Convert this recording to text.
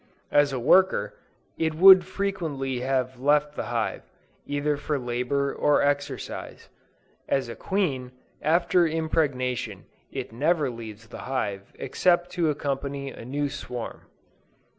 As a worker, it would frequently have left the hive, either for labor or exercise: as a queen, after impregnation, it never leaves the hive except to accompany a new swarm.